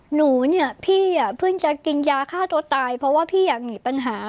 หนูเนี่ยพี่อ่ะเพิ่งจะกินยาฆ่าตัวตายเพราะว่าพี่อยากหนีปัญหา